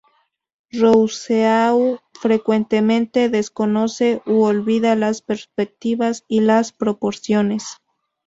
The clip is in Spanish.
Rousseau frecuentemente desconoce u olvida las perspectivas y las proporciones.